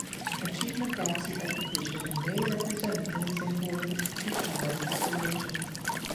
Achievement gaps in education may represent an example of institutionalized discrimination.